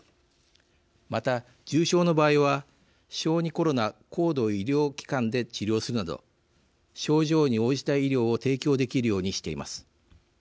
また、重症の場合は小児コロナ高度医療機関で治療するなど症状に応じた医療を提供できるようにしています。